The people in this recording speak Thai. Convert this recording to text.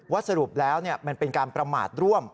สรุปแล้วมันเป็นการประมาทร่วม